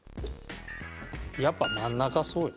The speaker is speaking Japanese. やっぱ真ん中そうよ。